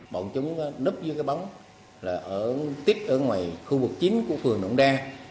bọn chúng nấp dưới cái bóng là tiếp ở ngoài khu vực chính của phường đống đa